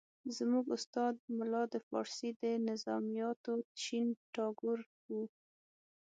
زموږ استاد ملا د فارسي د نظمیاتو شین ټاګور وو.